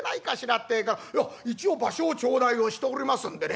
ってえから『いや一応場所を頂戴をしておりますんでね